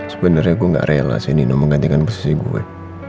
sebenarnya gue gak rela sih nino menggantikan posisi gue